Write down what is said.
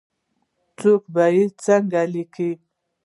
څوک به یې څنګه لیکي ؟